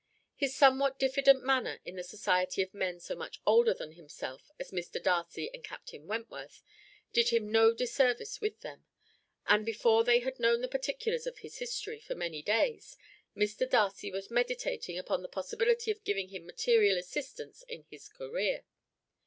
His somewhat diffident manner in the society of men so much older than himself as Mr. Darcy and Captain Wentworth did him no disservice with them; and before they had known the particulars of his history for many days, Mr. Darcy was meditating upon the possibility of giving him material assistance in his career.